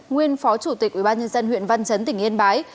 nguyên phó chủ tịch ubnd huyện văn chấn tỉnh yên bái